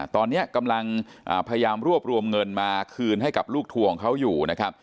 ตอนนี้กำลังพยายามรวบรวมเงินมาคืนให้กับลูกทัวร์ของเขาอยู่นะครับ